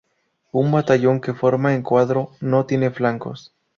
Un batallón que forma en cuadro no tiene flancos.